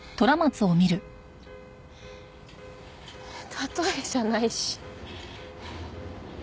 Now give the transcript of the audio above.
例えじゃないし。